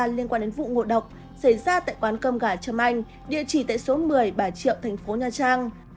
liên quan đến vụ ngộ độc xảy ra tại quán cơm gà trâm anh địa chỉ tại số một mươi bà triệu thành phố nha trang